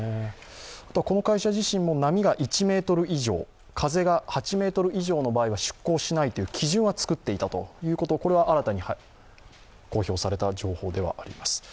この会社自身も波が１メートル以上風が８メートル以上の場合は、出港しないという基準は作っていたということ、これは新たに公表された情報です。